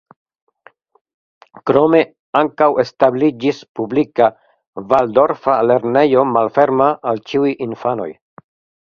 Krome ankaŭ establiĝis publika valdorfa lernejo malferma al ĉiuj infanoj.